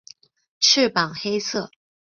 翅膀黑色。